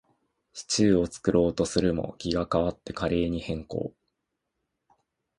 シチューを作ろうとするも、気が変わってカレーに変更